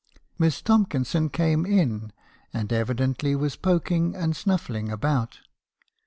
MissTomkinson came in, and evidently was poking and snuffing about.